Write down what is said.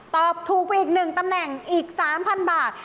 ตอบถูกไปอีก๑ตำแหน่งอีก๓๐๐บาท